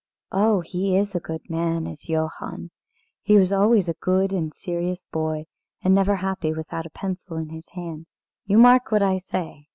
"Oh! he is a good man is Johann; he was always a good and serious boy, and never happy without a pencil in his hand. You mark what I say.